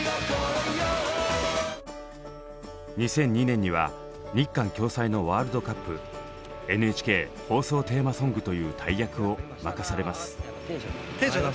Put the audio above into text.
２００２年には日韓共催のワールドカップＮＨＫ放送テーマソングという大役を任されます。